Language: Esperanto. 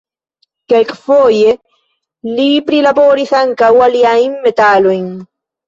Kelkfoje li prilaboris ankaŭ aliajn metalojn.